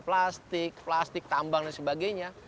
plastik plastik tambang dan sebagainya